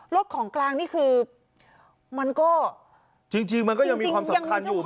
ของกลางนี่คือมันก็จริงมันก็ยังมีความสำคัญอยู่